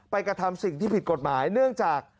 กระทำสิ่งที่ผิดกฎหมายเนื่องจาก